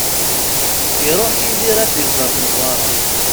Iruḥ Yidir ad d-iẓer Newwara.